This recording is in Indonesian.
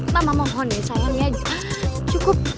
mama mohon ya sayang ya cukup